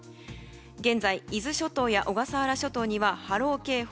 現在、伊豆諸島や小笠原諸島には波浪警報。